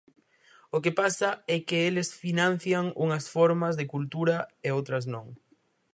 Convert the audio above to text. O que pasa é que eles financian unhas formas de cultura e outras non.